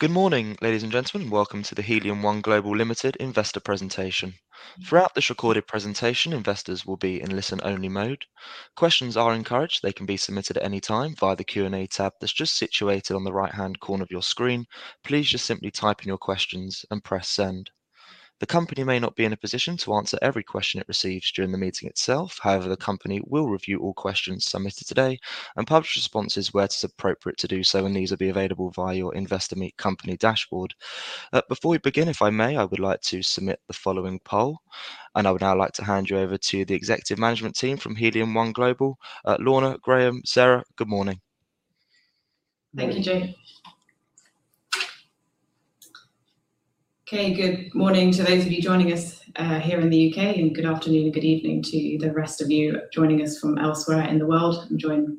Good morning, ladies and gentlemen. Welcome to the Helium One Global Limited investor presentation. Throughout this recorded presentation, investors will be in listen-only mode. Questions are encouraged. They can be submitted at any time via the Q&A tab that's just situated on the right-hand corner of your screen. Please just simply type in your questions and press send. The company may not be in a position to answer every question it receives during the meeting itself. However, the company will review all questions submitted today and publish responses where it is appropriate to do so, and these will be available via your Investor Meet Company dashboard. Before we begin, if I may, I would like to submit the following poll, and I would now like to hand you over to the executive management team from Helium One Global. Lorna, Graham, Sarah, good morning. Thank you, Jake. Okay. Good morning to those of you joining us here in the U.K., and good afternoon and good evening to the rest of you joining us from elsewhere in the world. I'm joined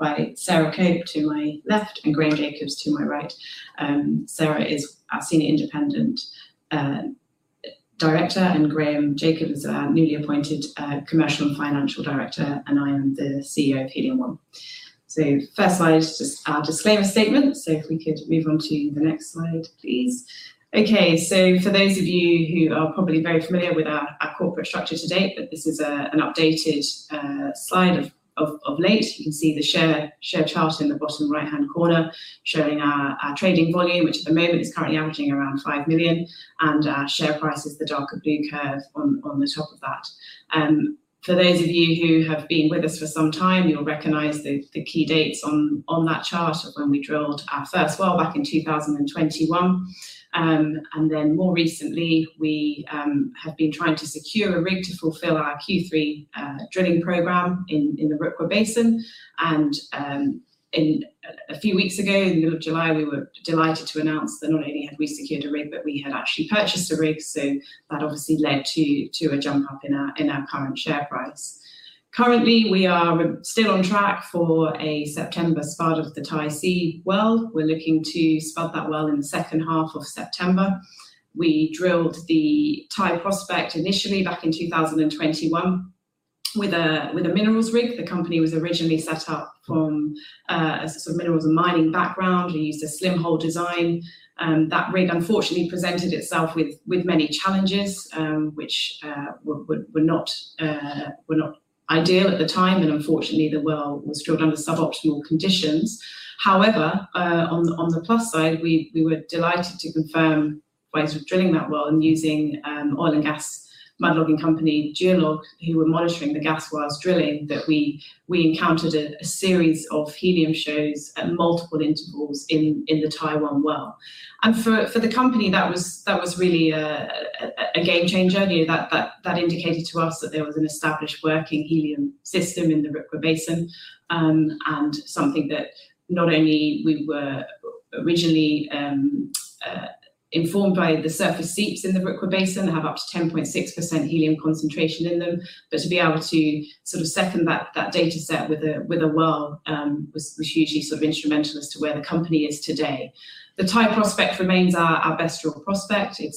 by Sarah Cope to my left and Graham Jacobs to my right. Sarah is our Senior Independent Director, and Graham Jacobs is our newly appointed Commercial and Financial Director, and I am the CEO of Helium One. The first slide is just our disclaimer statement. If we could move on to the next slide, please. Okay. For those of you who are probably very familiar with our corporate structure to date, but this is an updated slide of late. You can see the share chart in the bottom right-hand corner showing our trading volume, which at the moment is currently averaging around five million, and our share price is the darker blue curve on the top of that. For those of you who have been with us for some time, you'll recognize the key dates on that chart of when we drilled our first well back in 2021. More recently, we have been trying to secure a rig to fulfill our Q3 drilling program in the Rukwa Basin. A few weeks ago, in the middle of July, we were delighted to announce that not only had we secured a rig, but we had actually purchased a rig. That obviously led to a jump up in our current share price. Currently, we are still on track for a September spud of the Tai-C well. We're looking to spud that well in the 2H of September. We drilled the Tai prospect initially back in 2021 with a minerals rig. The company was originally set up from a sort of minerals and mining background. We used a slim hole design. That rig unfortunately presented itself with many challenges, which were not ideal at the time, and unfortunately the well was drilled under suboptimal conditions. However, on the plus side, we were delighted to confirm while drilling that well and using oil and gas mud logging company, GEOLOG, who were monitoring the gas while drilling, that we encountered a series of helium shows at multiple intervals in the Tai One well. For the company, that was really a game changer. That indicated to us that there was an established working helium system in the Rukwa Basin, and something that not only we were originally informed by the surface seeps in the Rukwa Basin, have up to 10.6% helium concentration in them, but to be able to sort of second that data set with a well was hugely sort of instrumental as to where the company is today. The Tai prospect remains our best drill prospect. It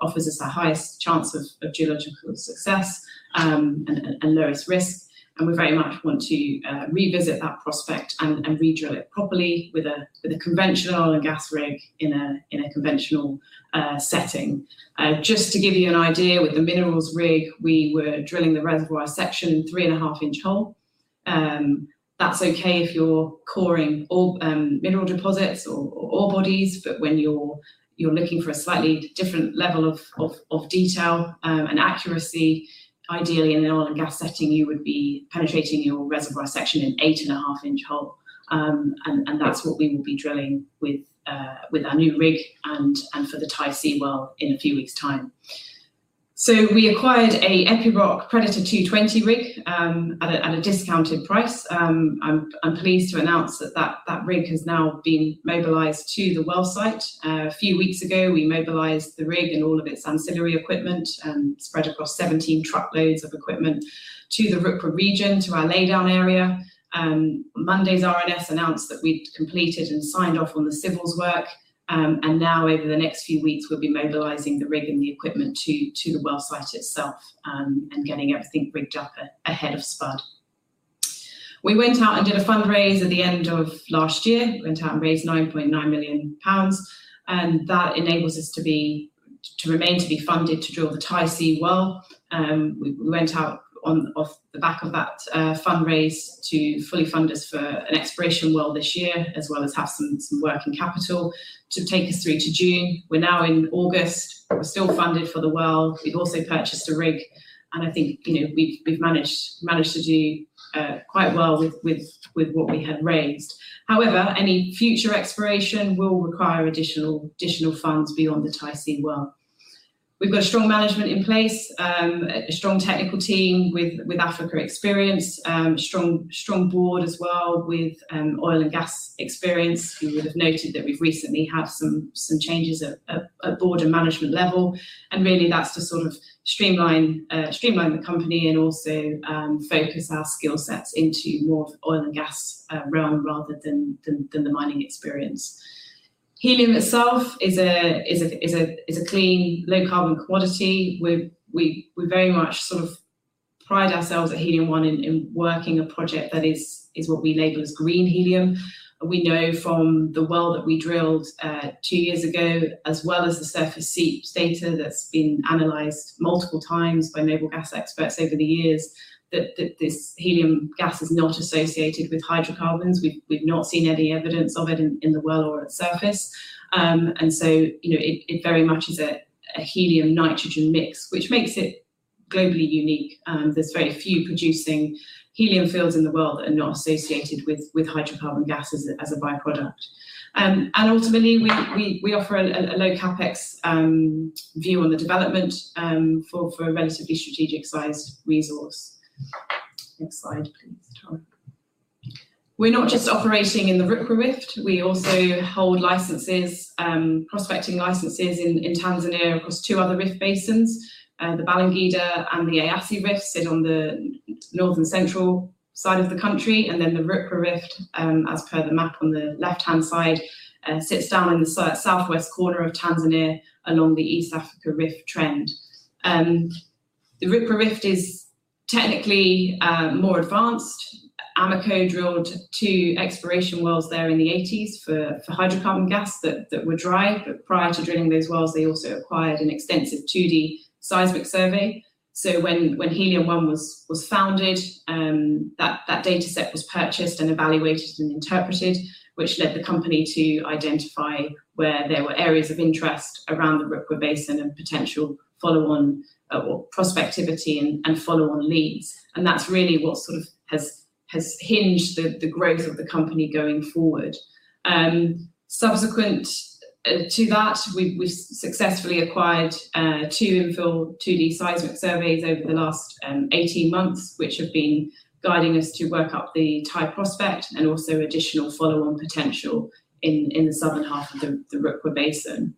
offers us the highest chance of geological success, and lowest risk. We very much want to revisit that prospect and redrill it properly with a conventional oil and gas rig in a conventional setting. Just to give you an idea, with the minerals rig, we were drilling the reservoir section in 3.5-inch hole. That's okay if you're coring mineral deposits or ore bodies, but when you're looking for a slightly different level of detail and accuracy, ideally in an oil and gas setting, you would be penetrating your reservoir section in 8.5-inch hole. That's what we will be drilling with our new rig and for the Tai-C well in a few weeks' time. We acquired a Epiroc Predator 220 rig at a discounted price. I'm pleased to announce that that rig has now been mobilized to the well site. A few weeks ago, we mobilized the rig and all of its ancillary equipment, spread across 17 truckloads of equipment to the Rukwa region, to our laydown area. On Monday, RNS announced that we'd completed and signed off on the civils work. Now over the next few weeks, we'll be mobilizing the rig and the equipment to the well site itself, and getting everything rigged up ahead of spud. We went out and did a fundraise at the end of last year. Went out and raised 9.9 million pounds. That enables us to remain to be funded to drill the Tai-C well. We went out off the back of that fundraise to fully fund us for an exploration well this year, as well as have some working capital to take us through to June. We're now in August. We're still funded for the well. We've also purchased a rig, and I think we've managed to do quite well with what we had raised. However, any future exploration will require additional funds beyond the Tai-C well. We've got strong management in place, a strong technical team with Africa experience. Strong board as well with oil and gas experience. You will have noted that we've recently had some changes at board and management level. Really that's to sort of streamline the company and also focus our skill sets into more of oil and gas realm rather than the mining experience. Helium itself is a clean low-carbon commodity. We very much sort of pride ourselves at Helium One in working a project that is what we label as Green Helium. We know from the well that we drilled two years ago, as well as the surface seep data that's been analyzed multiple times by noble gas experts over the years, that this helium gas is not associated with hydrocarbons. We've not seen any evidence of it in the well or at surface. It very much is a helium-nitrogen mix, which makes it globally unique. There's very few producing helium fields in the world that are not associated with hydrocarbon gas as a by-product. Ultimately, we offer a low CapEx view on the development for a relatively strategic sized resource. Next slide, please, Tom. We're not just operating in the Rukwa Rift. We also hold prospecting licenses in Tanzania across two other rift basins. The Balangida and the Eyasi Rift sit on the northern central side of the country, and then the Rukwa Rift, as per the map on the left-hand side, sits down in the southwest corner of Tanzania along the East Africa Rift trend. The Rukwa Rift is technically more advanced. Amoco drilled two exploration wells there in the 1980s for hydrocarbon gas that were dry. Prior to drilling those wells, they also acquired an extensive 2D seismic survey. When Helium One was founded, that dataset was purchased and evaluated and interpreted, which led the company to identify where there were areas of interest around the Rukwa Basin and potential follow-on or prospectivity and follow-on leads. That's really what sort of has hinged the growth of the company going forward. Subsequent to that, we've successfully acquired 2 infill 2D seismic surveys over the last 18 months, which have been guiding us to work up the Tai prospect and also additional follow-on potential in the southern half of the Rukwa Basin.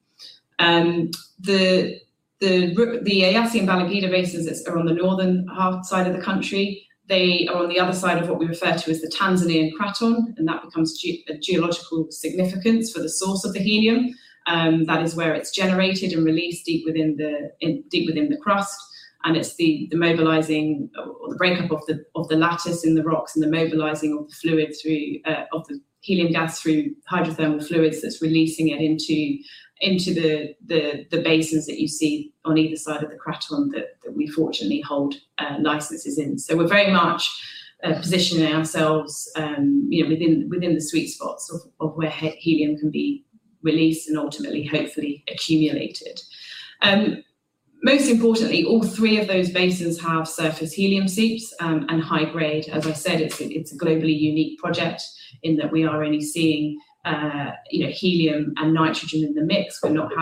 The Eyasi and Balangida Basins that are on the northern half side of the country, they are on the other side of what we refer to as the Tanzanian Craton, and that becomes a geological significance for the source of the helium. That is where it's generated and released deep within the crust, and it's the mobilizing or the breakup of the lattice in the rocks and the mobilizing of the helium gas through hydrothermal fluids that's releasing it into the basins that you see on either side of the craton that we fortunately hold licenses in. We're very much positioning ourselves within the sweet spots of where helium can be released and ultimately, hopefully, accumulated. Most importantly, all three of those basins have surface helium seeps, and high grade. As I said, it's a globally unique project in that we are only seeing helium and nitrogen in the mix. We're not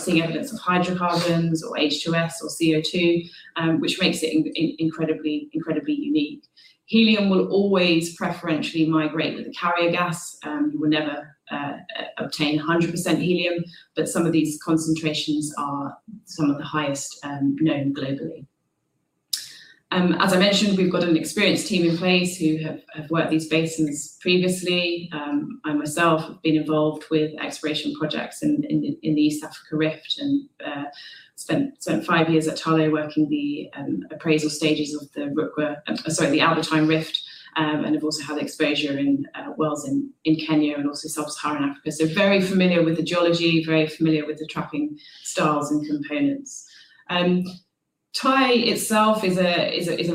seeing evidence of hydrocarbons or H2S or CO2, which makes it incredibly unique. Helium will always preferentially migrate with the carrier gas. You will never obtain 100% helium, but some of these concentrations are some of the highest known globally. As I mentioned, we've got an experienced team in place who have worked these basins previously. I myself have been involved with exploration projects in the East African Rift and spent five years at Tullow working the appraisal stages of the Albertine Rift, and have also had exposure in wells in Kenya and also Sub-Saharan Africa. Very familiar with the geology, very familiar with the trapping styles and components. Tai itself is a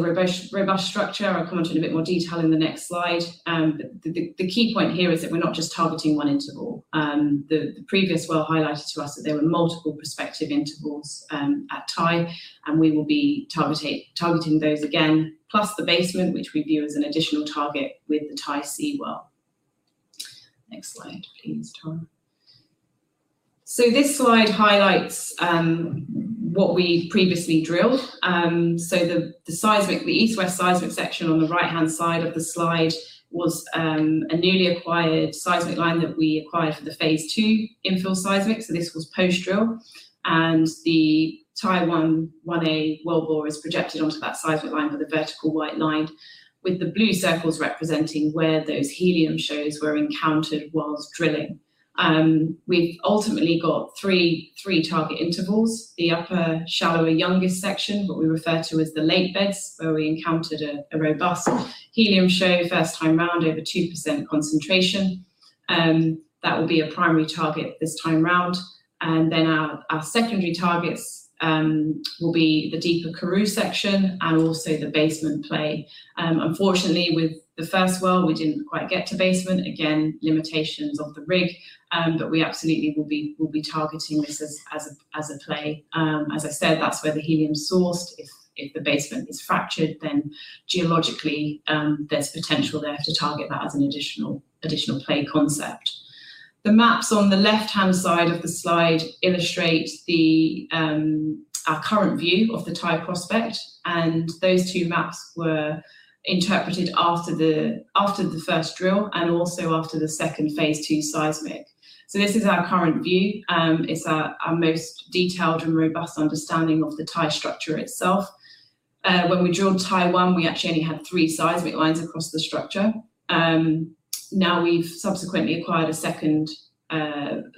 robust structure. I'll come on to in a bit more detail in the next slide. The key point here is that we're not just targeting one interval. The previous well highlighted to us that there were multiple prospective intervals at Tai, and we will be targeting those again, plus the basement, which we view as an additional target with the Tai-C well. Next slide, please, Tom. This slide highlights what we previously drilled. The east-west seismic section on the right-hand side of the slide was a newly acquired seismic line that we acquired for the phase II infill seismic. This was post-drill. The Tai-1, 1A well bore is projected onto that seismic line with a vertical white line, with the blue circles representing where those helium shows were encountered while drilling. We've ultimately got three target intervals. The upper, shallower, youngest section, what we refer to as the lake beds, where we encountered a robust helium show first time around, over 2% concentration. That will be a primary target this time around. Our secondary targets will be the deeper Karoo section and also the basement play. Unfortunately, with the first well, we didn't quite get to basement. Again, limitations of the rig. We absolutely will be targeting this as a play. As I said, that's where the helium's sourced. If the basement is fractured, then geologically, there's potential there to target that as an additional play concept. The maps on the left-hand side of the slide illustrate our current view of the Tai prospect, and those two maps were interpreted after the first drill and also after the second phase two seismic. This is our current view. It's our most detailed and robust understanding of the Tai structure itself. When we drilled Tai-1, we actually only had three seismic lines across the structure. Now we've subsequently acquired a second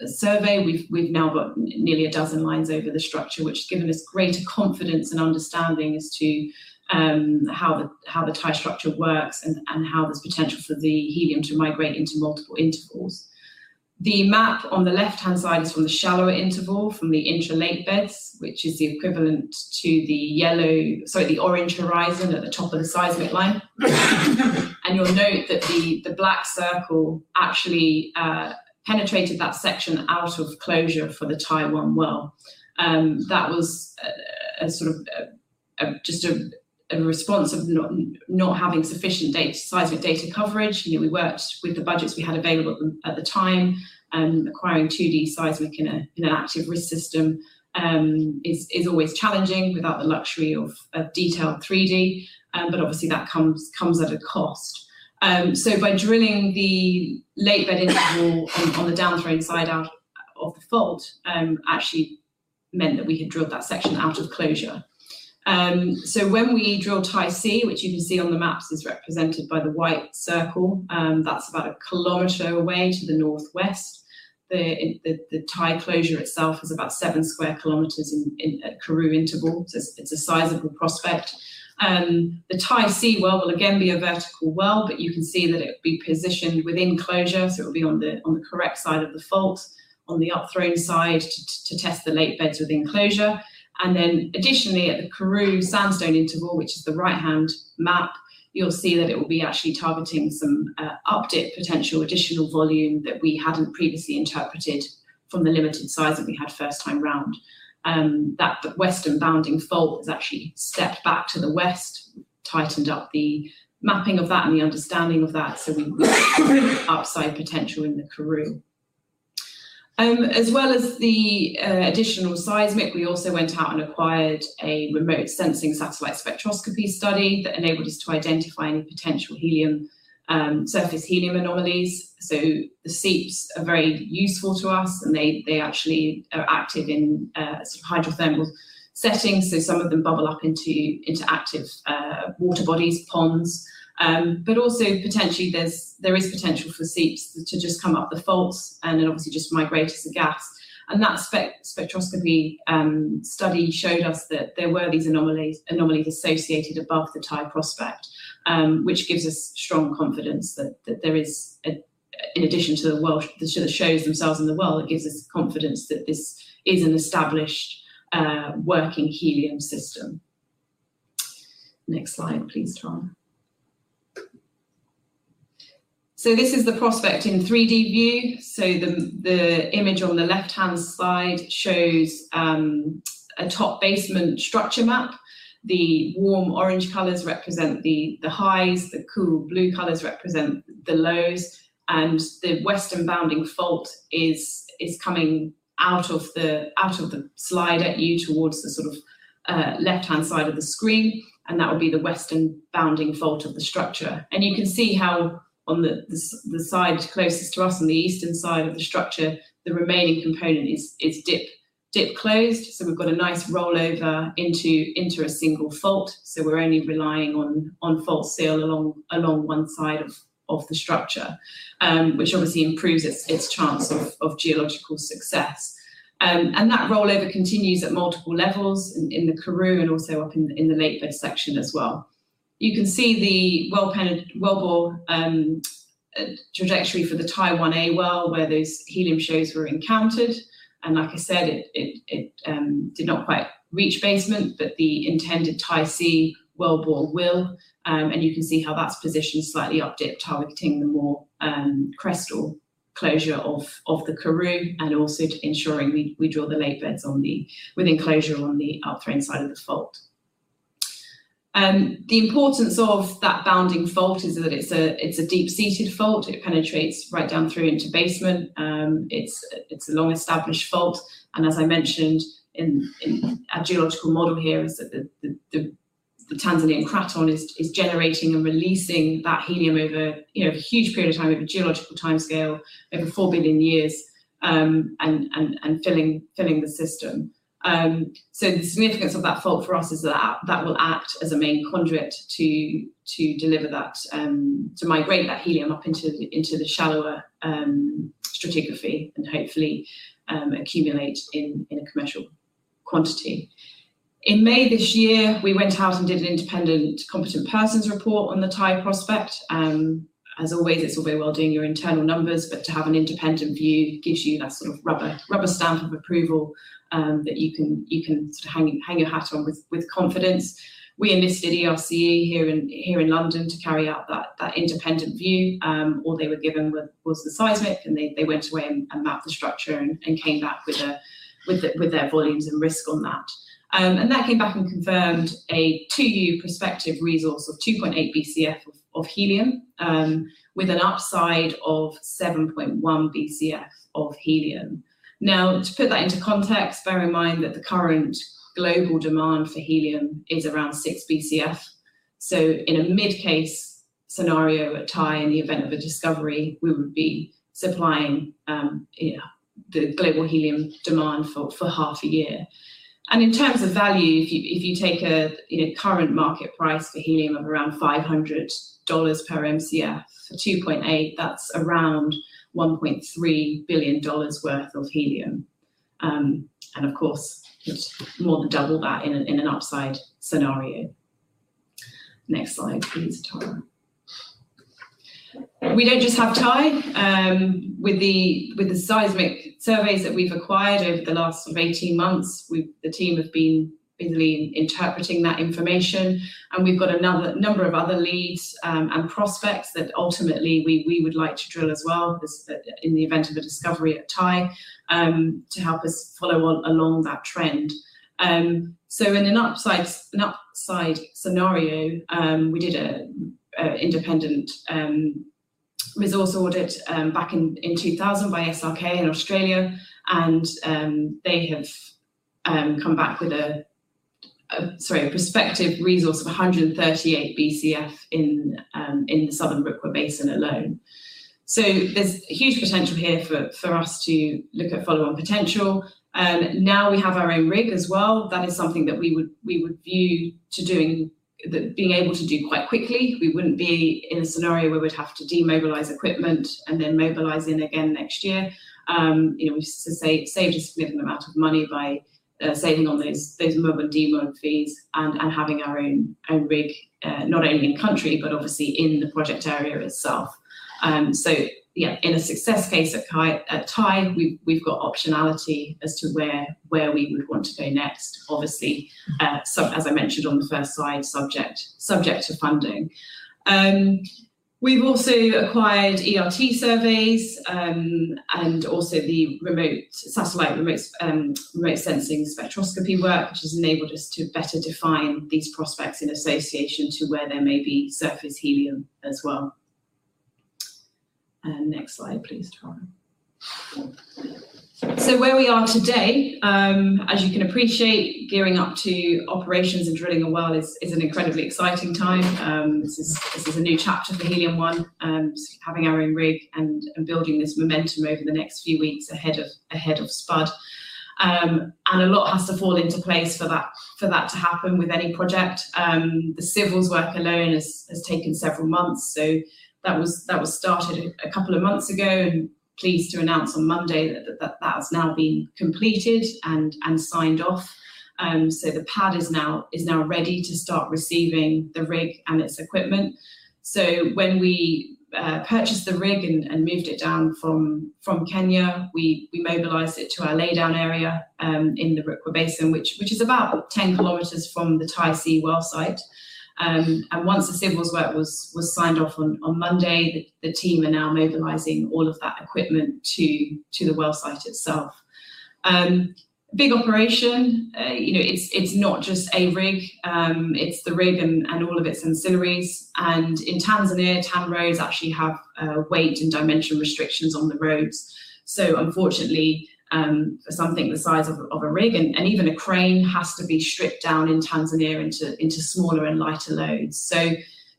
survey. We've now got nearly a dozen lines over the structure, which has given us greater confidence and understanding as to how the Tai structure works and how there's potential for the helium to migrate into multiple intervals. The map on the left-hand side is from the shallower interval from the intra-lake beds, which is the equivalent to the orange horizon at the top of the seismic line. You'll note that the black circle actually penetrated that section out of closure for the Tai-1 well. That was just a response of not having sufficient seismic data coverage. We worked with the budgets we had available at the time. Acquiring 2D seismic in a rift system is always challenging without the luxury of detailed 3D, but obviously that comes at a cost. By drilling the lake bed interval on the downthrown side out of the fault, actually meant that we had drilled that section out of closure. When we drill Tai-C, which you can see on the maps is represented by the white circle, that's about 1 km away to the northwest. The Tai closure itself is about 7 sq km in Karoo interval. It's a sizable prospect. The Tai-C well will again be a vertical well, but you can see that it will be positioned within closure, so it'll be on the correct side of the fault on the upthrown side to test the lake beds within closure. Additionally, at the Karoo Sandstone interval, which is the right-hand map, you'll see that it will be actually targeting some up-dip potential additional volume that we hadn't previously interpreted from the limited size that we had first time around. That western bounding fault has actually stepped back to the west, tightened up the mapping of that and the understanding of that, so we've got upside potential in the Karoo. As well as the additional seismic, we also went out and acquired a remote sensing satellite spectroscopy study that enabled us to identify any potential surface helium anomalies. The seeps are very useful to us, and they actually are active in sort of hydrothermal settings. Also potentially, there is potential for seeps to just come up the faults and then obviously just migrate as a gas. That spectroscopy study showed us that there were these anomalies associated above the Tai prospect, which gives us strong confidence that there is, in addition to the shows themselves in the well, it gives us confidence that this is an established working helium system. Next slide, please, Tom. This is the prospect in 3D view. The image on the left-hand side shows a top basement structure map. The warm orange colors represent the highs, the cool blue colors represent the lows, and the western bounding fault is coming out of the slide at you towards the sort of left-hand side of the screen, and that would be the western bounding fault of the structure. You can see how on the side closest to us, on the eastern side of the structure, the remaining component is dip-closed. We've got a nice rollover into a single fault. We're only relying on fault seal along one side of the structure, which obviously improves its chance of geological success. That rollover continues at multiple levels in the Karoo and also up in the Lake Bed section as well. You can see the wellbore trajectory for the Tai 1A well, where those helium shows were encountered. Like I said, it did not quite reach basement, but the intended Tai C wellbore will. You can see how that's positioned slightly up-dip, targeting the more crestal closure of the Karoo and also ensuring we drill the Lake Beds within enclosure on the upthrown side of the fault. The importance of that bounding fault is that it's a deep-seated fault. It penetrates right down through into basement. It's a long-established fault, and as I mentioned in our geological model here, is that the Tanzanian craton is generating and releasing that helium over a huge period of time, over geological timescale, over four billion years, and filling the system. The significance of that fault for us is that that will act as a main conduit to migrate that helium up into the shallower stratigraphy and hopefully accumulate in a commercial quantity. In May this year, we went out and did an independent competent person's report on the Tai prospect. As always, it's all very well doing your internal numbers, but to have an independent view gives you that sort of rubber stamp of approval that you can hang your hat on with confidence. We enlisted ERCE here in London to carry out that independent view. All they were given was the seismic, and they went away and mapped the structure and came back with their volumes and risk on that. That came back and confirmed a 2U prospective resource of 2.8 Bcf of helium, with an upside of 7.1 Bcf of helium. Now, to put that into context, bear in mind that the current global demand for helium is around 6 Bcf. In a mid-case scenario at Tai, in the event of a discovery, we would be supplying the global helium demand for half a year. In terms of value, if you take a current market price for helium of around $500 per MCF for 2.8, that's around $1.3 billion worth of helium. Of course, more than double that in an upside scenario. Next slide, please, Tom. We don't just have Tai. With the seismic surveys that we've acquired over the last 18 months, the team have been busily interpreting that information. We've got a number of other leads and prospects that ultimately we would like to drill as well, in the event of a discovery at Tai, to help us follow on along that trend. In an upside scenario, we did an independent resource audit back in 2000 by SRK in Australia. They have come back with a prospective resource of 138 Bcf in the Southern Rukwa Basin alone. There's huge potential here for us to look at follow-on potential. Now we have our own rig as well. That is something that we would view to being able to do quite quickly. We wouldn't be in a scenario where we'd have to demobilize equipment and then mobilize in again next year. We save a significant amount of money by saving on those mob and demob fees and having our own rig, not only in country, but obviously in the project area itself. Yeah, in a success case at Tai, we've got optionality as to where we would want to go next, obviously, as I mentioned on the first slide, subject to funding. We've also acquired ERT surveys, and also the satellite remote sensing spectroscopy work, which has enabled us to better define these prospects in association to where there may be surface helium as well. Next slide, please, Tom. Where we are today, as you can appreciate, gearing up to operations and drilling a well is an incredibly exciting time. This is a new chapter for Helium One, having our own rig and building this momentum over the next few weeks ahead of spud. A lot has to fall into place for that to happen with any project. The civils work alone has taken several months. That was started a couple of months ago, and we're pleased to announce on Monday that has now been completed and signed off. The pad is now ready to start receiving the rig and its equipment. When we purchased the rig and moved it down from Kenya, we mobilized it to our laydown area in the Rukwa Basin, which is about 10 km from the Tai-C well site. Once the civils work was signed off on Monday, the team are now mobilizing all of that equipment to the well site itself. Big operation. It's not just a rig. It's the rig and all of its ancillaries. In Tanzania, TANROADS actually have weight and dimension restrictions on the roads. Unfortunately, something the size of a rig and even a crane has to be stripped down in Tanzania into smaller and lighter loads.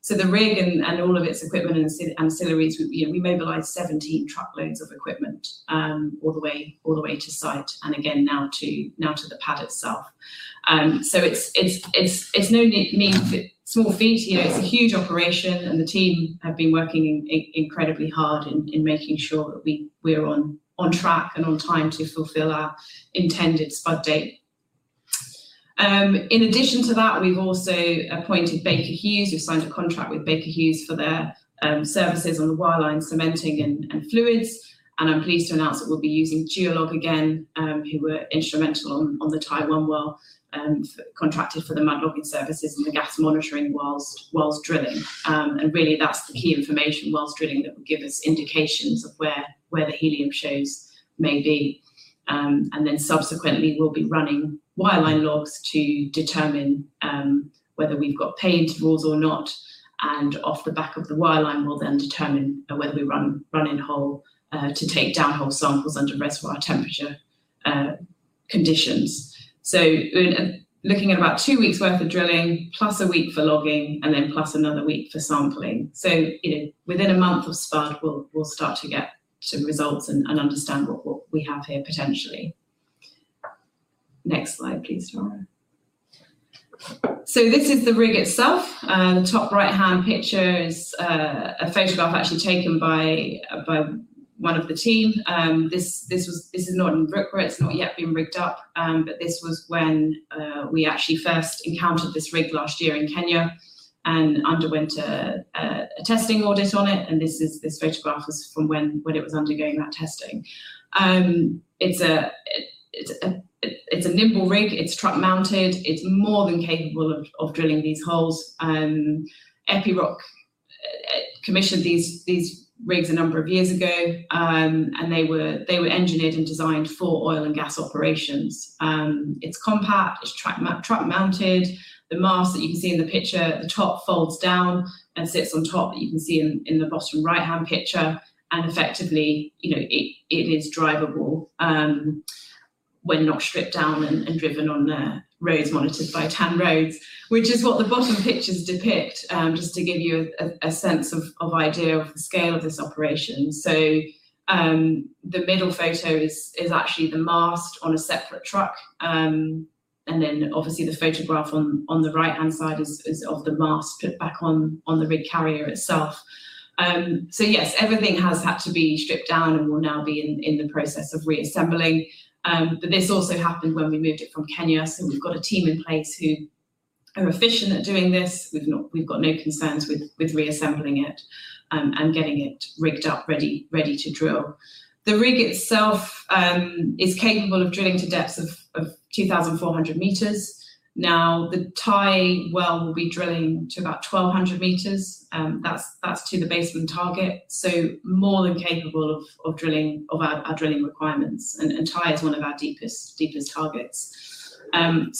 The rig and all of its equipment and ancillaries, we mobilized 17 truckloads of equipment all the way to site, and again, now to the pad itself. It's no small feat. It's a huge operation, and the team have been working incredibly hard in making sure that we're on track and on time to fulfill our intended spud date. In addition to that, we've also appointed Baker Hughes. We've signed a contract with Baker Hughes for their services on the wireline cementing and fluids. I'm pleased to announce that we'll be using GEOLOG again, who were instrumental on the Tai-1 well, contracted for the mud logging services and the gas monitoring while drilling. Really that's the key information while drilling that will give us indications of where the helium shows may be. Then subsequently, we'll be running wireline logs to determine whether we've got pay intervals or not, and off the back of the wireline, we'll then determine whether we run in hole to take downhole samples under reservoir temperature conditions. Looking at about two weeks worth of drilling, plus a week for logging, and then plus another week for sampling. Within a month of spud, we'll start to get some results and understand what we have here potentially. Next slide, please, Laura. This is the rig itself. The top right-hand picture is a photograph actually taken by one of the team. This is not in Rukwa. It's not yet been rigged up. This was when we actually first encountered this rig last year in Kenya and underwent a testing audit on it, and this photograph is from when it was undergoing that testing. It's a nimble rig. It's truck-mounted. It's more than capable of drilling these holes. Epiroc commissioned these rigs a number of years ago, and they were engineered and designed for oil and gas operations. It's compact. It's truck-mounted. The mast that you can see in the picture at the top folds down and sits on top, that you can see in the bottom right-hand picture, and effectively, it is drivable when not stripped down and driven on roads monitored by TANROADS, which is what the bottom pictures depict. Just to give you a sense of idea of the scale of this operation. The middle photo is actually the mast on a separate truck. Obviously the photograph on the right-hand side is of the mast put back on the rig carrier itself. Yes, everything has had to be stripped down and will now be in the process of reassembling. This also happened when we moved it from Kenya, so we've got a team in place who are efficient at doing this. We've got no concerns with reassembling it and getting it rigged up ready to drill. The rig itself is capable of drilling to depths of 2,400 meters. Now, the Tai-C well will be drilling to about 1,200 meters. That's to the basement target. More than capable of our drilling requirements. Tai-C is one of our deepest targets.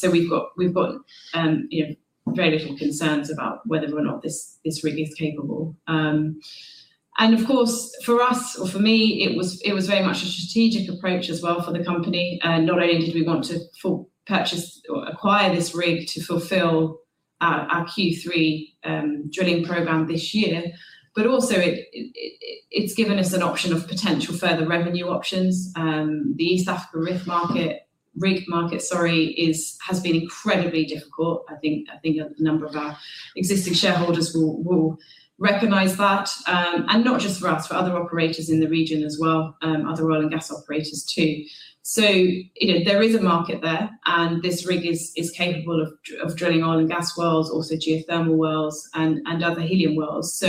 We've got very little concerns about whether or not this rig is capable. Of course, for us or for me, it was very much a strategic approach as well for the company. Not only did we want to purchase or acquire this rig to fulfill our Q3 drilling program this year, but also it's given us an option of potential further revenue options. The East Africa rig market has been incredibly difficult. I think a number of our existing shareholders will recognize that. Not just for us, for other operators in the region as well, other oil and gas operators too. There is a market there, and this rig is capable of drilling oil and gas wells, also geothermal wells and other helium wells.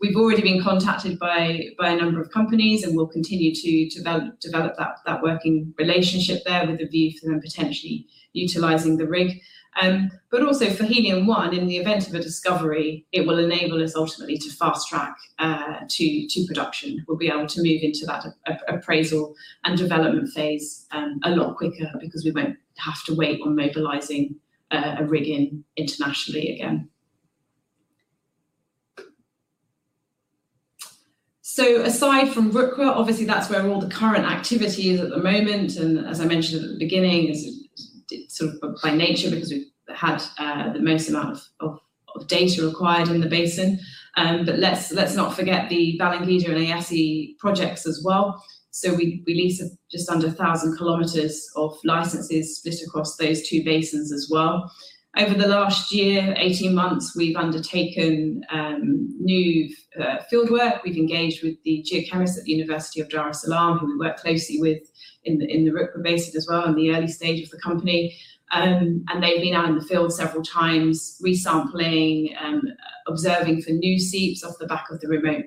We've already been contacted by a number of companies, and we'll continue to develop that working relationship there with a view to then potentially utilizing the rig. Also for Helium One, in the event of a discovery, it will enable us ultimately to fast track to production. We'll be able to move into that appraisal and development phase a lot quicker because we won't have to wait on mobilizing a rig internationally again. Aside from Rukwa, obviously that's where all the current activity is at the moment. As I mentioned at the beginning, sort of by nature, because we've had the most amount of data acquired in the basin. Let's not forget the Balangida and Eyasi projects as well. We lease just under 1,000 kilometers of licenses split across those two basins as well. Over the last year, 18 months, we've undertaken new fieldwork. We've engaged with the geochemists at the University of Dar es Salaam, who we worked closely with in the Rukwa Basin as well in the early stage of the company. They've been out in the field several times, resampling, observing for new seeps off the back of the remote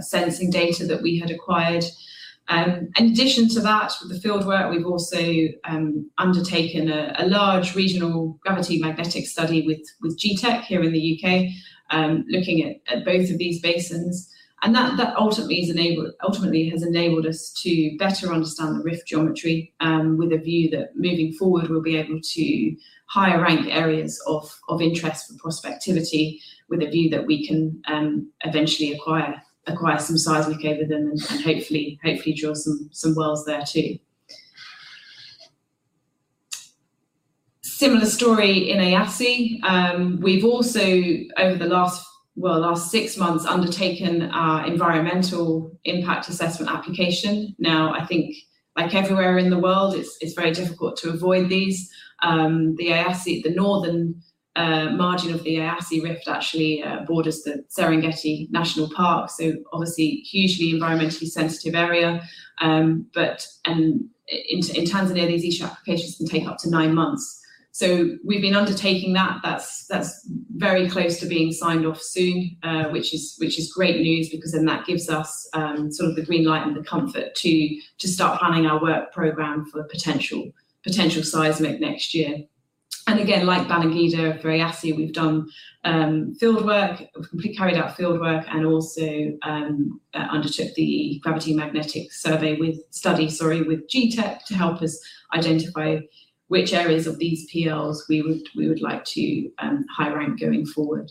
sensing data that we had acquired. In addition to that, with the fieldwork, we've also undertaken a large regional gravity magnetic study with Getech here in the U.K., looking at both of these basins. That ultimately has enabled us to better understand the rift geometry, with a view that moving forward, we'll be able to higher rank areas of interest for prospectivity, with a view that we can eventually acquire some seismic over them and hopefully drill some wells there too. Similar story in Eyasi. We've also, over the last, well, last six months, undertaken our Environmental Impact Assessment application. Now, I think like everywhere in the world, it's very difficult to avoid these. The northern margin of the Eyasi Rift actually borders the Serengeti National Park, so obviously hugely environmentally sensitive area. In Tanzania, these EIA applications can take up to nine months. We've been undertaking that. That's very close to being signed off soon, which is great news because then that gives us sort of the green light and the comfort to start planning our work program for potential seismic next year. Again, like Balangida, for Eyasi, we've done fieldwork. We've carried out fieldwork and also undertook the gravity magnetic study with Getech to help us identify which areas of these PLs we would like to higher rank going forward.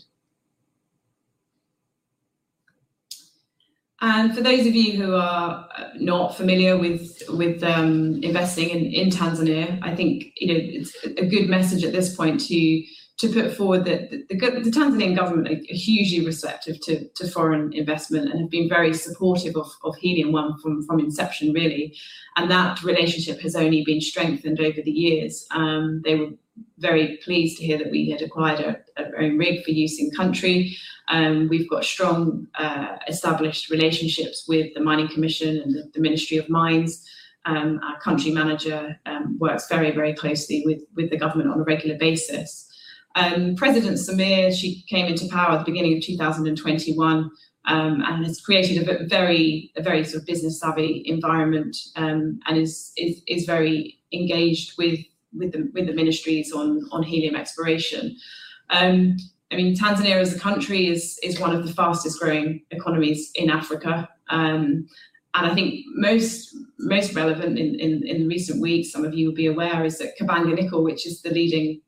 For those of you who are not familiar with investing in Tanzania, I think it's a good message at this point to put forward that the Tanzanian government are hugely receptive to foreign investment and have been very supportive of Helium One from inception, really. That relationship has only been strengthened over the years. They were very pleased to hear that we had acquired our own rig for use in-country. We've got strong established relationships with the Mining Commission and the Ministry of Minerals. Our country manager works very closely with the government on a regular basis. President Samia, she came into power at the beginning of 2021, and has created a very sort of business savvy environment, and is very engaged with the ministries on helium exploration. Tanzania as a country is one of the fastest-growing economies in Africa. I think most relevant in recent weeks, some of you will be aware, is that Kabanga Nickel, which is the leading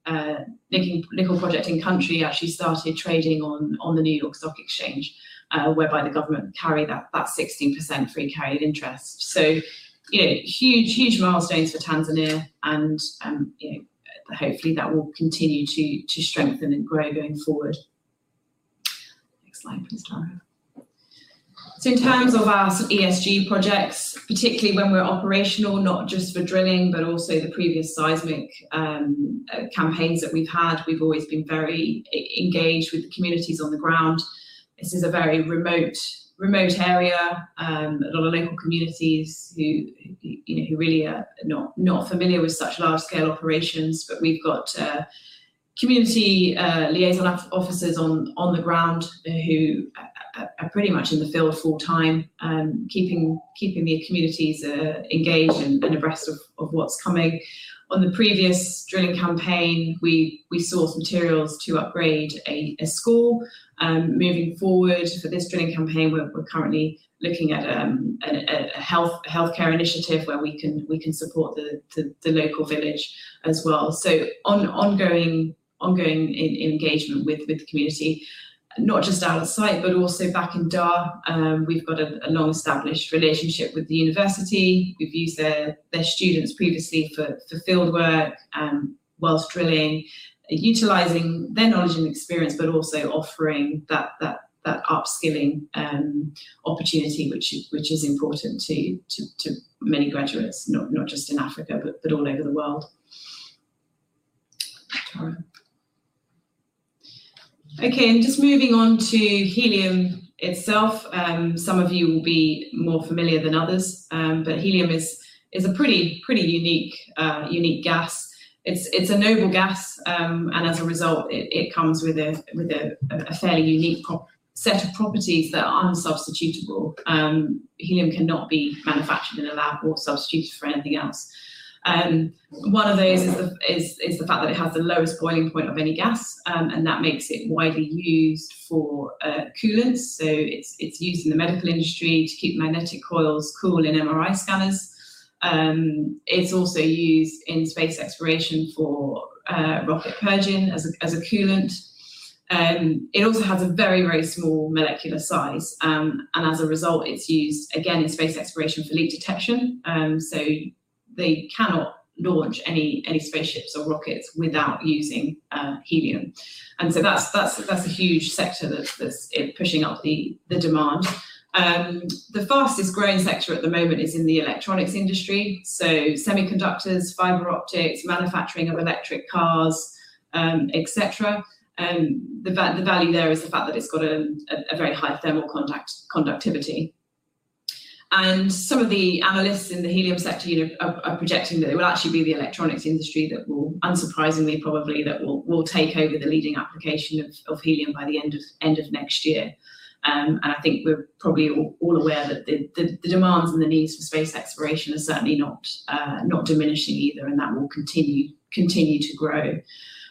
nickel project in-country, actually started trading on the New York Stock Exchange, whereby the government carry that 16% free carried interest. Huge milestones for Tanzania. Hopefully that will continue to strengthen and grow going forward. Next slide, please, Tara. In terms of our ESG projects, particularly when we're operational, not just for drilling, but also the previous seismic campaigns that we've had. We've always been very engaged with the communities on the ground. This is a very remote area. A lot of local communities who really are not familiar with such large-scale operations. We've got community liaison officers on the ground who are pretty much in the field full time, keeping the communities engaged and abreast of what's coming. On the previous drilling campaign, we sourced materials to upgrade a school. Moving forward, for this drilling campaign, we're currently looking at a healthcare initiative where we can support the local village as well. Ongoing engagement with the community, not just at our site, but also back in Dar. We've got a long-established relationship with the university. We've used their students previously for field work while drilling. Utilizing their knowledge and experience, but also offering that upskilling opportunity which is important to many graduates, not just in Africa, but all over the world. Tara. Okay, just moving on to helium itself. Some of you will be more familiar than others. Helium is a pretty unique gas. It's a noble gas, and as a result, it comes with a fairly unique set of properties that are in-substitutable. Helium cannot be manufactured in a lab or substituted for anything else. One of those is the fact that it has the lowest boiling point of any gas, and that makes it widely used for coolants. It's used in the medical industry to keep magnetic coils cool in MRI scanners. It's also used in space exploration for rocket purging as a coolant. It also has a very, very small molecular size, and as a result, it's used again in space exploration for leak detection. They cannot launch any spaceships or rockets without using helium. That's a huge sector that's pushing up the demand. The fastest-growing sector at the moment is in the electronics industry. Semiconductors, fiber optics, manufacturing of electric cars, et cetera. The value there is the fact that it's got a very high thermal conductivity. Some of the analysts in the helium sector are projecting that it will actually be the electronics industry that will, unsurprisingly probably, that will take over the leading application of helium by the end of next year. I think we're probably all aware that the demands and the needs for space exploration are certainly not diminishing either, and that will continue to grow.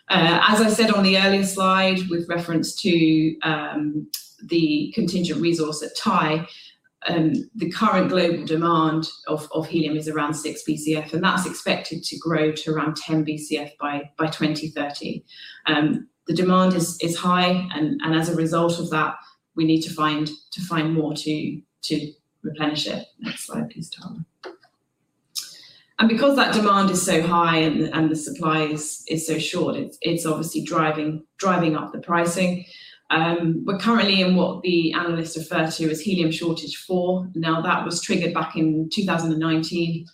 As I said on the earlier slide, with reference to the contingent resource at Tai, the current global demand of helium is around 6 Bcf, and that's expected to grow to around 10 Bcf by 2030. The demand is high, and as a result of that, we need to find more to replenish it. Next slide, please, Tara. Because that demand is so high and the supply is so short, it's obviously driving up the pricing. We're currently in what the analysts refer to as Helium Shortage 4.0. Now, that was triggered back in 2019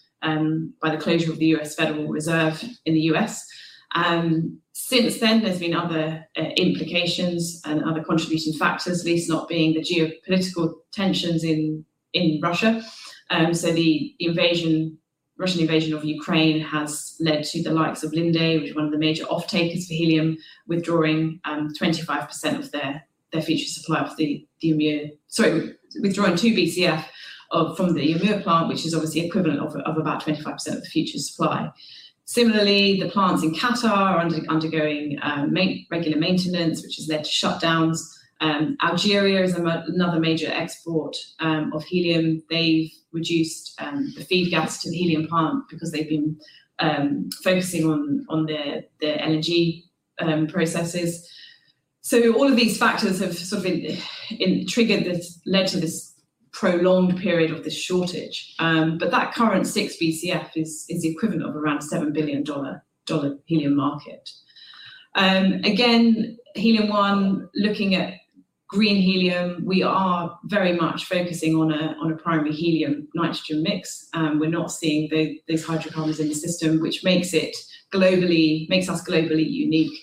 by the closure of the US Federal Helium Reserve in the US. Since then, there's been other implications and other contributing factors, not least being the geopolitical tensions in Russia. The Russian invasion of Ukraine has led to the likes of Linde, which is one of the major off-takers for helium, withdrawing 2 Bcf from the Yamal plant, which is obviously equivalent of about 25% of the future supply. Similarly, the plants in Qatar are undergoing regular maintenance, which has led to shutdowns. Algeria is another major exporter of helium. They've reduced the feed gas to the helium plant because they've been focusing on their energy processes. All of these factors have sort of triggered this, led to this prolonged period of this shortage. That current 6 Bcf is the equivalent of around a $7 billion helium market. Again, Helium One, looking at Green Helium, we are very much focusing on a primary helium-nitrogen mix. We're not seeing these hydrocarbons in the system, which makes us globally unique.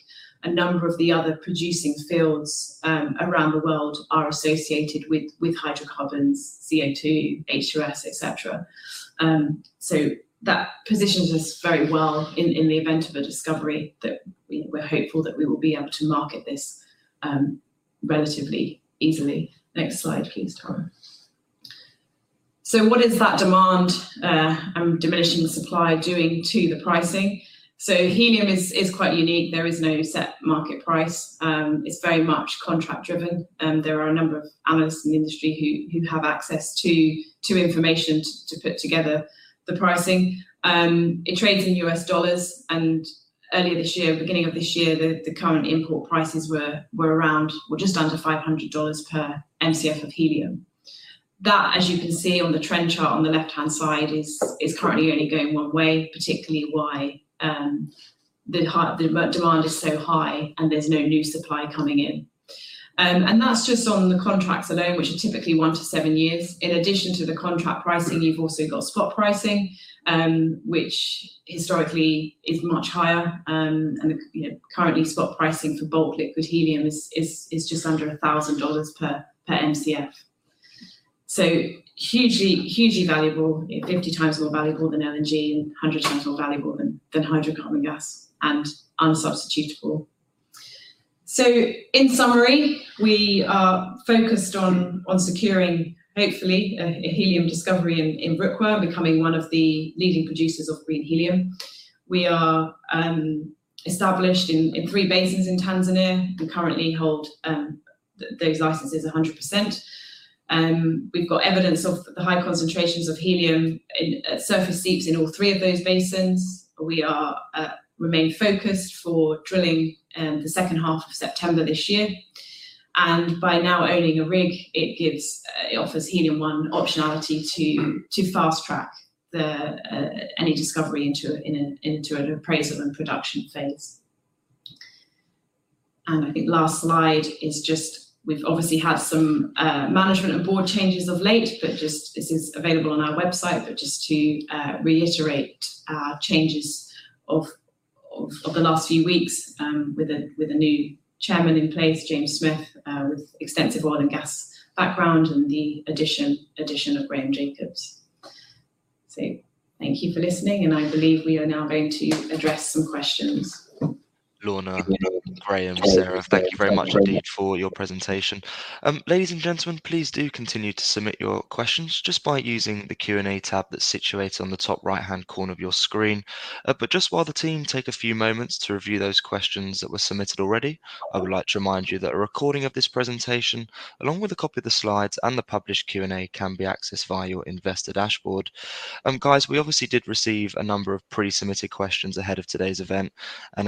A number of the other producing fields around the world are associated with hydrocarbons, CO2, H2S, et cetera. That positions us very well in the event of a discovery that we're hopeful that we will be able to market this relatively easily. Next slide, please, Tara. What is that demand and diminishing supply doing to the pricing? Helium is quite unique. There is no set market price. It's very much contract-driven. There are a number of analysts in the industry who have access to information to put together the pricing. It trades in US dollars, and earlier this year, beginning of this year, the current import prices were around or just under $500 per Mcf of helium. That, as you can see on the trend chart on the left-hand side, is currently only going one way, particularly why the demand is so high and there's no new supply coming in. That's just on the contracts alone, which are typically 1-7 years. In addition to the contract pricing, you've also got spot pricing, which historically is much higher. Currently, spot pricing for bulk liquid helium is just under $1,000 per MCF. Hugely valuable, 50x more valuable than LNG and 100x more valuable than hydrocarbon gas and unsubstitutable. In summary, we are focused on securing, hopefully, a helium discovery in Rukwa, becoming one of the leading producers of Green Helium. We are established in three basins in Tanzania. We currently hold those licenses 100%. We've got evidence of the high concentrations of helium surface seeps in all three of those basins. We remain focused for drilling the 2H of September this year. By now owning a rig, it offers Helium One optionality to fast track any discovery into an appraisal and production phase. I think last slide is just we've obviously had some management and board changes of late, but just this is available on our website, but just to reiterate our changes of the last few weeks with a new chairman in place, James Smith, with extensive oil and gas background and the addition of Graham Jacobs. Thank you for listening, and I believe we are now going to address some questions. Lorna, Graham, Sarah, thank you very much indeed for your presentation. Ladies and gentlemen, please do continue to submit your questions just by using the Q&A tab that's situated on the top right-hand corner of your screen. Just while the team take a few moments to review those questions that were submitted already, I would like to remind you that a recording of this presentation, along with a copy of the slides and the published Q&A, can be accessed via your investor dashboard. Guys, we obviously did receive a number of pre-submitted questions ahead of today's event.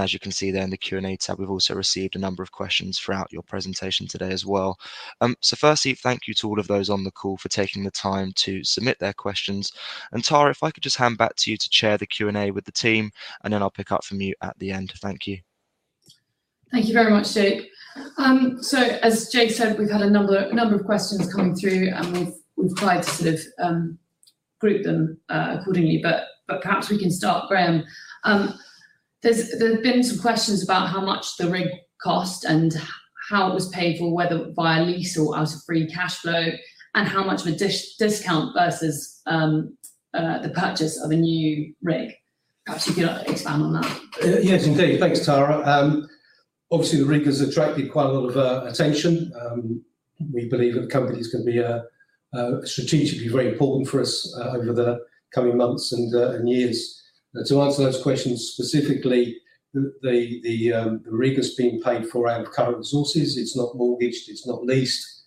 As you can see there in the Q&A tab, we've also received a number of questions throughout your presentation today as well. Firstly, thank you to all of those on the call for taking the time to submit their questions. Tara, if I could just hand back to you to chair the Q&A with the team, and then I'll pick up from you at the end. Thank you. Thank you very much, Jake. As Jake said, we've had a number of questions coming through, and we've tried to sort of group them accordingly. Perhaps we can start, Graham. There's been some questions about how much the rig cost and how it was paid for, whether via lease or out of free cash flow, and how much of a discount versus the purchase of a new rig. Perhaps you could expand on that. Yes, indeed. Thanks, Tara. Obviously, the rig has attracted quite a lot of attention. We believe the company is going to be strategically very important for us over the coming months and years. To answer those questions specifically, the rig is being paid for out of current resources. It's not mortgaged. It's not leased.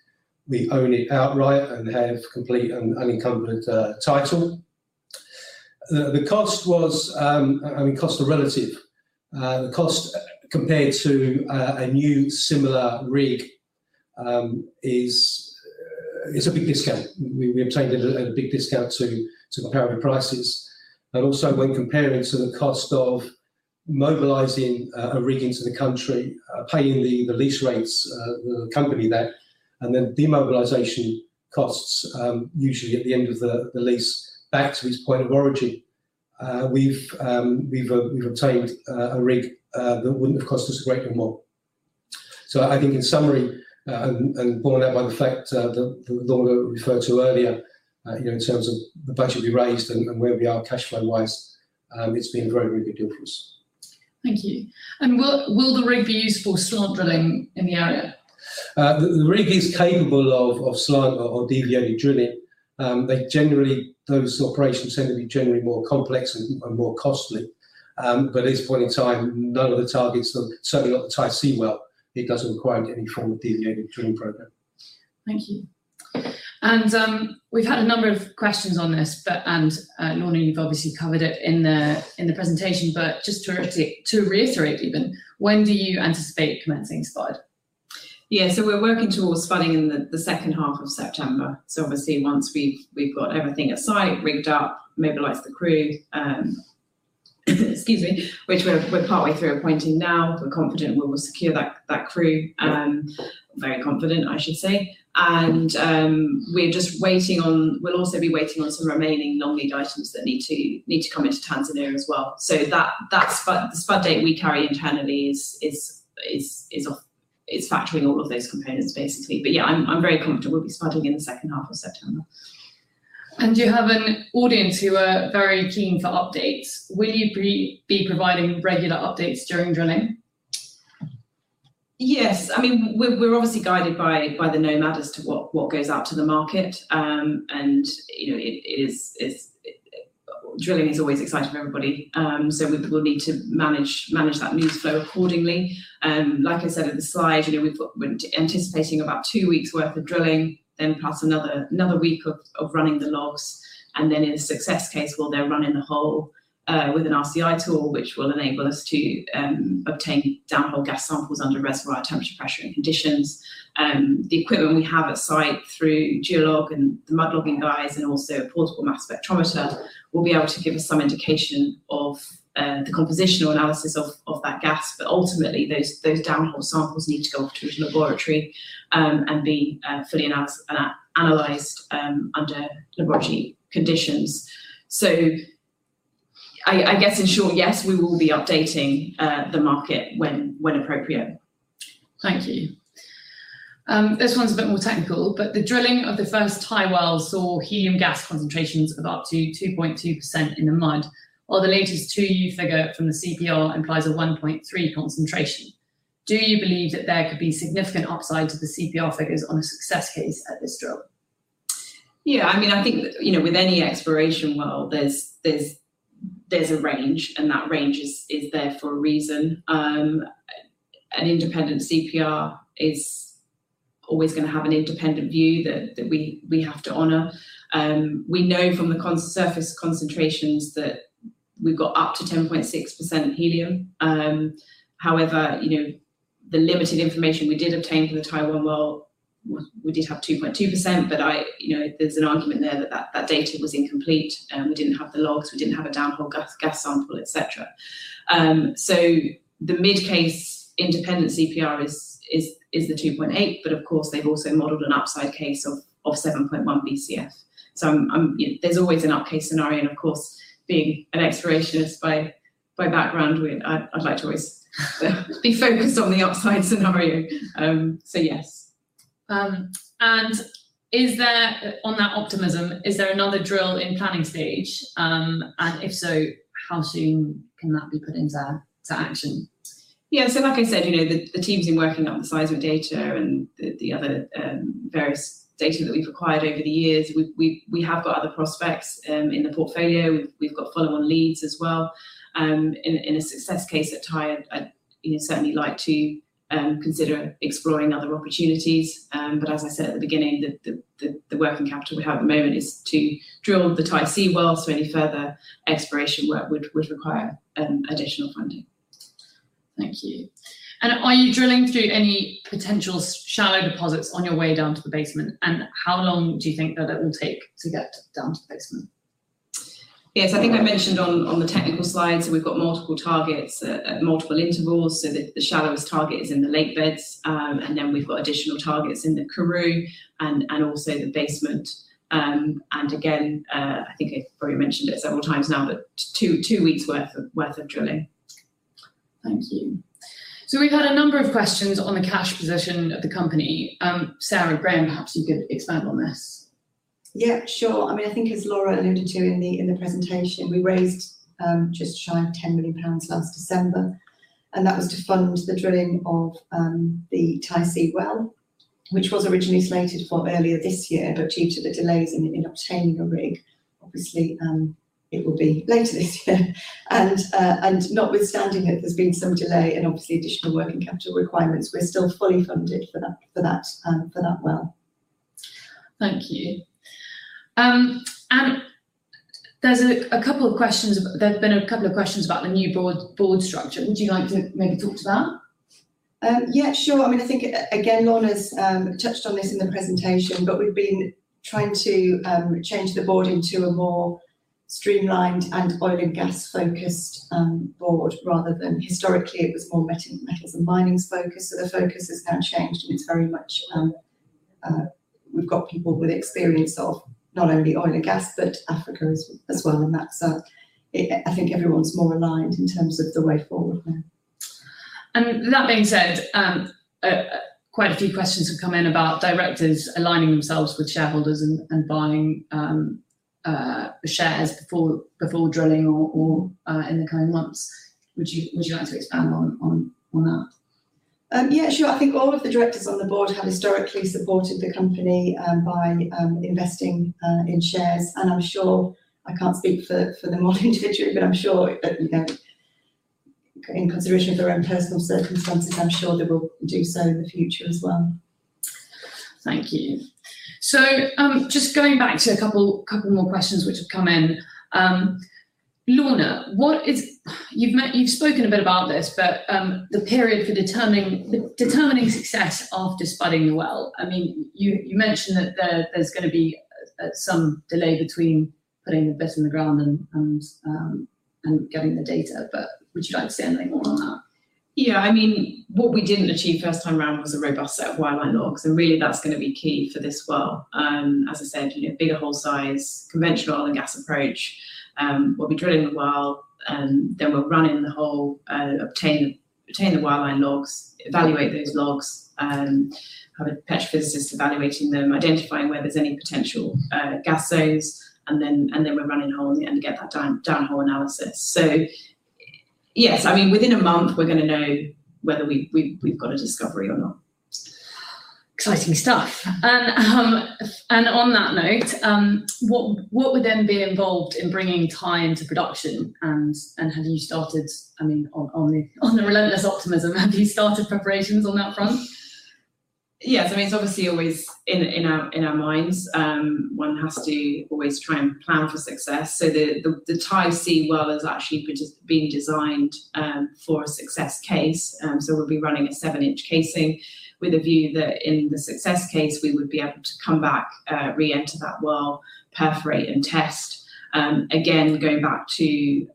We own it outright and have complete and unencumbered title. The cost was. I mean, cost is relative. The cost compared to a new similar rig is a big discount. We obtained a big discount to comparative prices. Also when comparing to the cost of mobilizing a rig into the country, paying the lease rates, the company there, and then demobilization costs usually at the end of the lease back to its point of origin. We've obtained a rig that wouldn't have cost us a great deal more. I think in summary, and borne out by the fact that Lorna referred to earlier, in terms of the funds we raised and where we are cash flow-wise, it's been very, very good for us. Thank you. Will the rig be used for slant drilling in the area? The rig is capable of slant or deviated drilling. Those operations tend to be generally more complex and more costly. At this point in time, none of the targets, certainly not the Tai-C well, it doesn't require any form of deviated drilling program. Thank you. We've had a number of questions on this, and Lorna, you've obviously covered it in the presentation, but just to reiterate even, when do you anticipate commencing spud? Yeah, we're working towards spudding in the 2H of September. Obviously once we've got everything at site, rigged up, mobilized the crew, excuse me, which we're partway through appointing now. We're confident we will secure that crew. Very confident, I should say. We'll also be waiting on some remaining long-lead items that need to come into Tanzania as well. The spud date we carry internally is factoring all of those components, basically. Yeah, I'm very confident we'll be spudding in the 2H of September. You have an audience who are very keen for updates. Will you be providing regular updates during drilling? Yes. We're obviously guided by Nominated Adviser as to what goes out to the market, and drilling is always exciting for everybody. We'll need to manage that news flow accordingly. Like I said in the slide, we're anticipating about two weeks worth of drilling, then plus another week of running the logs. In a success case, we'll then run in the hole with an RCI tool, which will enable us to obtain downhole gas samples under reservoir temperature, pressure, and conditions. The equipment we have at site through GEOLOG and the mud logging guys and also a portable mass spectrometer will be able to give us some indication of the compositional analysis of that gas. Ultimately, those downhole samples need to go off to a laboratory and be fully analyzed under laboratory conditions. I guess in short, yes, we will be updating the market when appropriate. Thank you. This one's a bit more technical, but the drilling of the first Tai well saw helium gas concentrations of up to 2.2% in the mud. While the latest 2U figure from the CPR implies a 1.3 concentration. Do you believe that there could be significant upside to the CPR figures on a success case at this drill? Yeah. I think, with any exploration well, there's a range, and that range is there for a reason. An independent CPR is always going to have an independent view that we have to honor. We know from the surface concentrations that we've got up to 10.6% helium. However, the limited information we did obtain from the Tai-C well, we did have 2.2%, but there's an argument there that that data was incomplete. We didn't have the logs. We didn't have a downhole gas sample, et cetera. The mid-case independent CPR is the 2.8%, but of course, they've also modeled an upside case of 7.1 Bcf. There's always an up case scenario, and of course, being an explorationist by background, I'd like to always be focused on the upside scenario. Yes. On that optimism, is there another drill in planning stage? If so, how soon can that be put into action? Yeah. Like I said, the team's been working on the seismic data and the other various data that we've acquired over the years. We have got other prospects in the portfolio. We've got follow-on leads as well. In a success case at Tai, I'd certainly like to consider exploring other opportunities. As I said at the beginning, the working capital we have at the moment is to drill the Tai-C well, so any further exploration work would require additional funding. Thank you. Are you drilling through any potential shallow deposits on your way down to the basement? How long do you think that will take to get down to the basement? Yes, I think I mentioned on the technical slides, we've got multiple targets at multiple intervals. The shallowest target is in the Lake Beds, and then we've got additional targets in the Karoo and also the basement. Again, I think I've probably mentioned it several times now, but two weeks worth of drilling. Thank you. We've had a number of questions on the cash position of the company. Sarah, Graham, perhaps you could expand on this. Yeah, sure. I think as Lorna alluded to in the presentation, we raised just shy of 10 million pounds last December, and that was to fund the drilling of the Tai-C well, which was originally slated for earlier this year, but due to the delays in obtaining a rig, obviously, it will be later this year. Notwithstanding it, there's been some delay and obviously additional working capital requirements. We're still fully funded for that well. Thank you. There's been a couple of questions about the new board structure. Would you like to maybe talk to that? Yeah, sure. I think, again, Lorna's touched on this in the presentation, but we've been trying to change the board into a more streamlined and oil and gas-focused board rather than historically it was more metals and mining focused. The focus has now changed, and it's very much we've got people with experience of not only oil and gas, but Africa as well, and that. I think everyone's more aligned in terms of the way forward now. That being said, quite a few questions have come in about directors aligning themselves with shareholders and buying shares before drilling or in the coming months. Would you like to expand on that? Yeah, sure. I think all of the directors on the board have historically supported the company by investing in shares, and I'm sure I can't speak for them all individually, but I'm sure in consideration of their own personal circumstances, I'm sure they will do so in the future as well. Thank you. Just going back to a couple more questions which have come in. Lorna, you've spoken a bit about this, but the period for determining success after spudding your well, you mentioned that there's going to be some delay between putting the bit in the ground and getting the data, but would you like to say anything more on that? Yeah. What we didn't achieve first time around was a robust set of wireline logs. Really that's going to be key for this well. As I said, bigger hole size, conventional oil and gas approach. We'll be drilling the well, and then we're running the hole, obtain the wireline logs, evaluate those logs, have a petrophysicist evaluating them, identifying where there's any potential gas zones, and then we're running hole again to get that downhole analysis. Yes, within a month we're going to know whether we've got a discovery or not. Exciting stuff. On that note, what would then be involved in bringing Tai into production, and have you started, on the relentless optimism, have you started preparations on that front? Yes. I mean, it's obviously always in our minds. One has to always try and plan for success. The Tai-C well is actually being designed for a success case. We'll be running a 7-inch casing with a view that in the success case we would be able to come back, re-enter that well, perforate and test. Again, going back to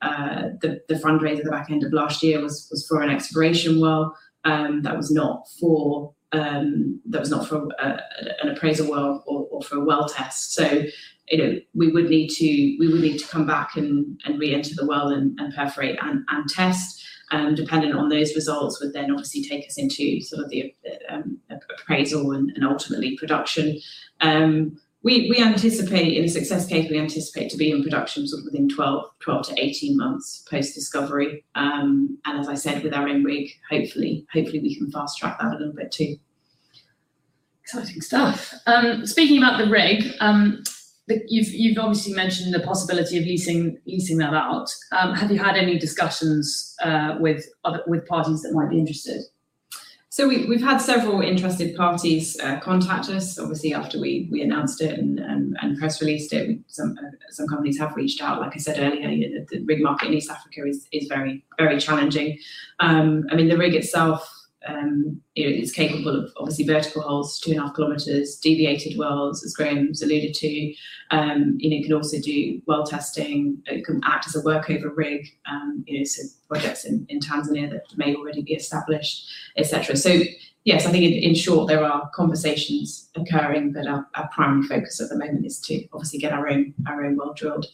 the fundraiser at the back end of last year was for an exploration well, that was not for an appraisal well or for a well test. We would need to come back and reenter the well and perforate and test, depending on those results would then obviously take us into sort of the appraisal and ultimately production. In a success case, we anticipate to be in production sort of within 12-18 months post-discovery. As I said, with our own rig, hopefully, we can fast-track that a little bit too. Exciting stuff. Speaking about the rig, you've obviously mentioned the possibility of leasing that out. Have you had any discussions with parties that might be interested? We've had several interested parties contact us. Obviously after we announced it and press released it, some companies have reached out. Like I said earlier, the rig market in East Africa is very challenging. I mean, the rig itself is capable of obviously vertical holes, 2.5 km, deviated wells, as Graham's alluded to. It can also do well testing. It can act as a workover rig, so projects in Tanzania that may already be established, et cetera. Yes, I think in short, there are conversations occurring, but our primary focus at the moment is to obviously get our own well drilled.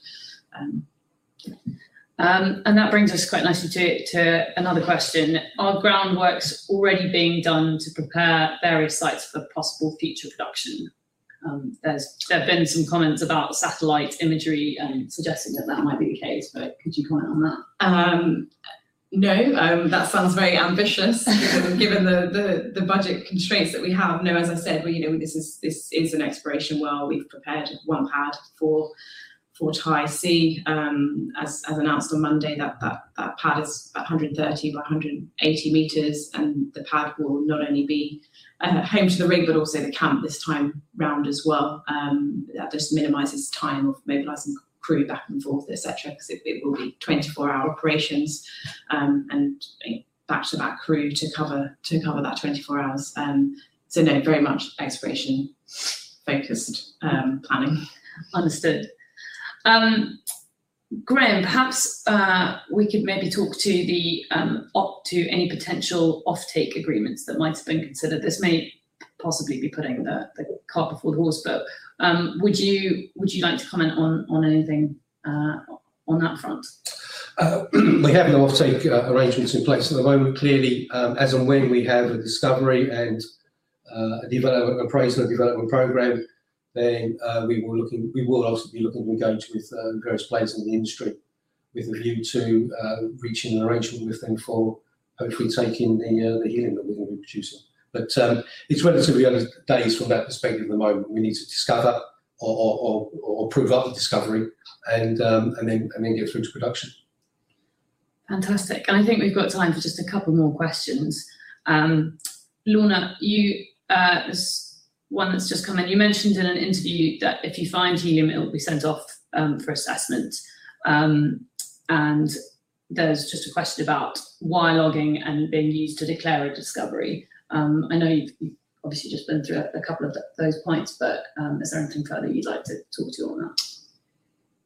That brings us quite nicely to another question. Are ground works already being done to prepare various sites for possible future production? There have been some comments about satellite imagery suggesting that might be the case, but could you comment on that? No, that sounds very ambitious given the budget constraints that we have. No, as I said, this is an exploration well. We've prepared one pad for Tai-C. As announced on Monday, that pad is 130 by 180 meters, and the pad will not only be home to the rig but also the camp this time around as well. That just minimizes time of mobilizing crew back and forth, et cetera, because it will be 24-hour operations, and backup crew to cover that 24 hours. No, very much exploration-focused planning. Understood. Graham, perhaps, we could maybe talk to any potential offtake agreements that might have been considered. This may possibly be putting the cart before the horse. Would you like to comment on anything on that front? We have no offtake arrangements in place at the moment. Clearly, as and when we have a discovery and appraisal development program, then we will also be looking to engage with various players in the industry with a view to reaching an arrangement with them for hopefully taking the helium that we're going to be producing. It's relatively early days from that perspective at the moment. We need to discover or prove up the discovery and then get through to production. Fantastic. I think we've got time for just a couple more questions. Lorna, there's one that's just come in. You mentioned in an interview that if you find helium, it will be sent off for assessment. There's just a question about why logging is being used to declare a discovery. I know you've obviously just been through a couple of those points, but is there anything further you'd like to talk to on that?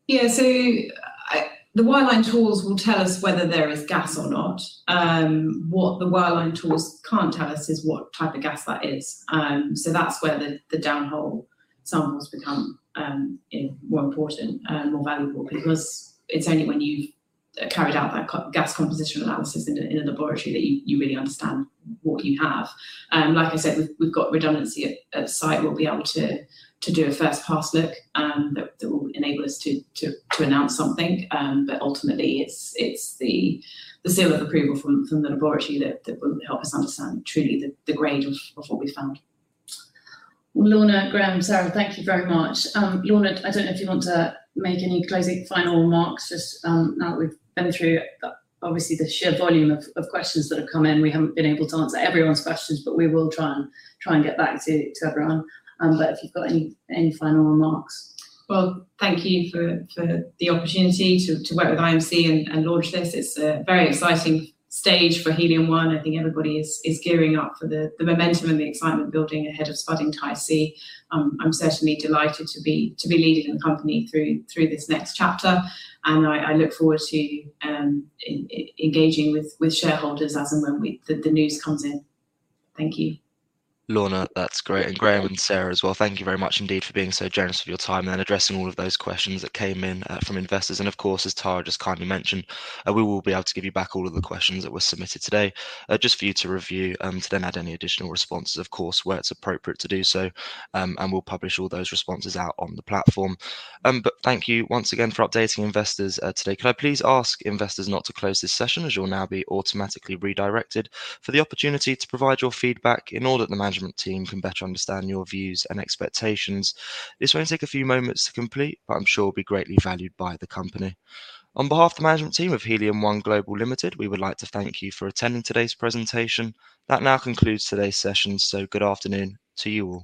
Yeah. The wireline tools will tell us whether there is gas or not. What the wireline tools can't tell us is what type of gas that is. That's where the downhole samples become more important and more valuable because it's only when you've carried out that gas composition analysis in a laboratory that you really understand what you have. Like I said, we've got redundancy at site. We'll be able to do a first pass look, that will enable us to announce something. Ultimately it's the seal of approval from the laboratory that will help us understand truly the grade of what we've found. Lorna, Graham, Sarah, thank you very much. Lorna, I don't know if you want to make any closing final remarks just now that we've been through obviously the sheer volume of questions that have come in. We haven't been able to answer everyone's questions, but we will try and get back to everyone. If you've got any final remarks? Well, thank you for the opportunity to work with IMC and launch this. It's a very exciting stage for Helium One. I think everybody is gearing up for the momentum and the excitement building ahead of spudding Tai-C. I'm certainly delighted to be leading the company through this next chapter, and I look forward to engaging with shareholders as and when the news comes in. Thank you. Lorna, that's great. Graham and Sarah as well. Thank you very much indeed for being so generous with your time and addressing all of those questions that came in from investors. Of course, as Tara just kindly mentioned, we will be able to give you back all of the questions that were submitted today, just for you to review, to then add any additional responses of course, where it's appropriate to do so, and we'll publish all those responses out on the platform. Thank you once again for updating investors today. Can I please ask investors not to close this session as you'll now be automatically redirected for the opportunity to provide your feedback in order that the management team can better understand your views and expectations. This will only take a few moments to complete, but I'm sure will be greatly valued by the company. On behalf of the management team of Helium One Global Limited, we would like to thank you for attending today's presentation. That now concludes today's session, so good afternoon to you all.